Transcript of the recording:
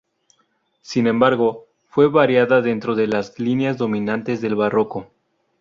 Sin embargo, fue variada dentro de las líneas dominantes del barroco.